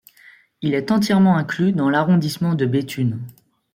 Il est entièrement inclus dans l'arrondissement de Béthune.